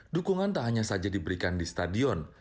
dukungan tak hanya saja diberikan di stadion